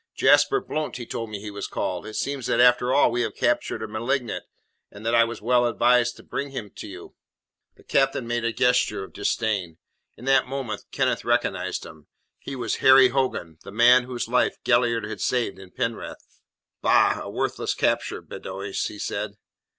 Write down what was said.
"Jasper Blount he told me he was called. It seems that after all we have captured a malignant, and that I was well advised to bring him to you." The captain made a gesture of disdain. In that moment Kenneth recognized him. He was Harry Hogan the man whose life Galliard had saved in Penrith. "Bah, a worthless capture, Beddoes," he said.